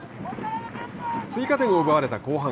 追加点を奪われた後半。